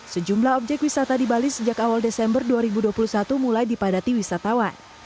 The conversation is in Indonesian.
sejumlah objek wisata di bali sejak awal desember dua ribu dua puluh satu mulai dipadati wisatawan